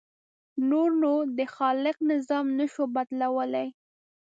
نور نو د خالق نظام نه شو بدلولی.